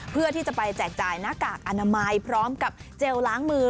เพื่อที่จะไปแจกจ่ายหน้ากากอนามัยพร้อมกับเจลล้างมือ